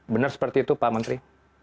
benar seperti itu pak menteri